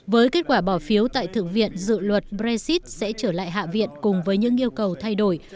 với kết quả bỏ phiếu tại thượng viện dự luật brexit sẽ trở lại hạ viện cùng với những yêu cầu thay đổi